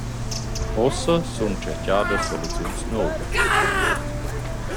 Uossa sun tscherchadas soluziuns nouvas.